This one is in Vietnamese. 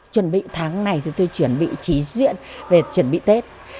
chuẩn bị tháng này chúng tôi chuẩn bị trí duyện về chuẩn bị tết